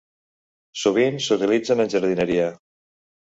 Sovint s'utilitzen en jardineria.